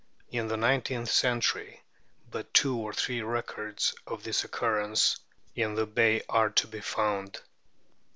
In the nineteenth century but two or three records of its occurrence in the Bay are to be found.